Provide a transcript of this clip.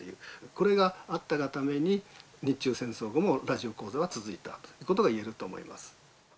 これがあったがために日中戦争後もラジオ講座は続いたということが言えると思います。